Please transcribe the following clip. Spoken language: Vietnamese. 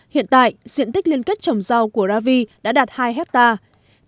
hiện tại diện tích liên kết trồng rau của ravi đã đạt hai hectare